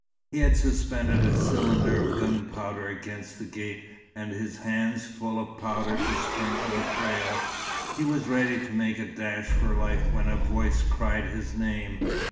He had suspended a cylinder of gunpowder against the gate, and, his hands full of powder to sprinkle a trail, he was ready to make a dash for life when a voice cried his name.